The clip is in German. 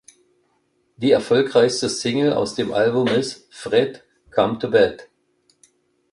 Die erfolgreichste Single aus dem Album ist "Fred Come to Bed".